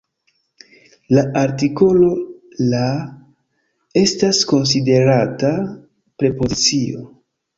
La artikolo "la" estas konsiderata "prepozicio".